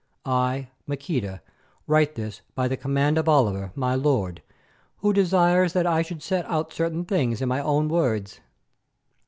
I, Maqueda, write this by the command of Oliver, my lord, who desires that I should set out certain things in my own words.